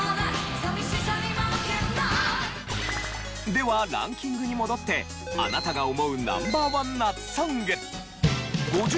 ではランキングに戻ってあなたが思うＮｏ．１夏ソング。